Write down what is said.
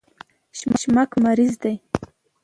شمک مریض ده